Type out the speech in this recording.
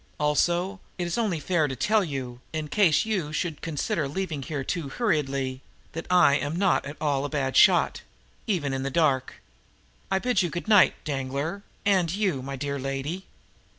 Also, it is only fair to tell you, in case you should consider leaving here too hurriedly, that I am really not at all a bad shot even in the dark. I bid you good night, Danglar and you my dear lady!"